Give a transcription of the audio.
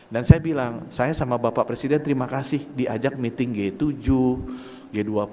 dan saya bilang saya sama bapak presiden terima kasih diajak meeting g tujuh g dua puluh